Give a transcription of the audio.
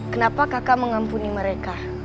kenapa kakak mengampuni mereka